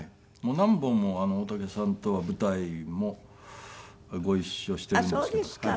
何本も大竹さんとは舞台もご一緒しているんですけど。